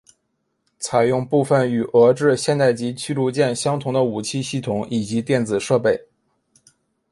采用部分与俄制现代级驱逐舰相同的武器系统以及电子设备。